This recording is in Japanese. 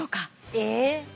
え？